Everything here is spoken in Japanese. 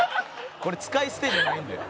「これ使い捨てじゃないんで」